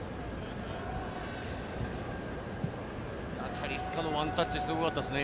タリスカのワンタッチ、すごかったですね。